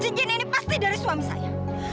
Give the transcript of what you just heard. cincin ini pasti dari suami saya